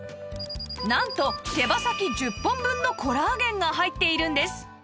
なんと手羽先１０本分のコラーゲンが入っているんです